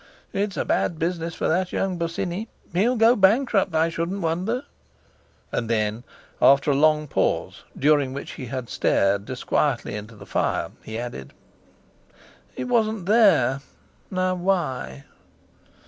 It's a bad business for that young Bosinney; he'll go bankrupt, I shouldn't wonder," and then after a long pause, during which he had stared disquietly into the fire, he added: "He wasn't there—now why?"